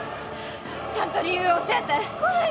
ちゃんと理由を教えて！